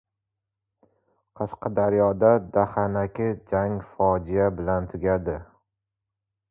Qashqadaryoda dahanaki jang fojia bilan tugadi